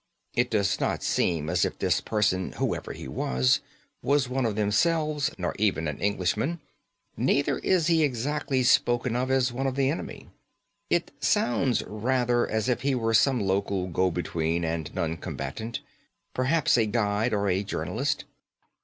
It does not seem as if this person, whoever he was, was one of themselves, nor even an Englishman; neither is he exactly spoken of as one of the enemy. It sounds rather as if he were some local go between and non combatant; perhaps a guide or a journalist.